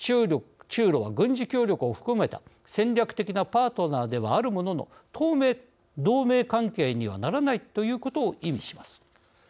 中ロは軍事協力を含めた戦略的なパートナーではあるものの当面同盟関係にはならないということを意味します。